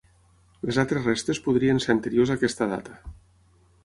Les altres restes podrien ser anteriors a aquesta data.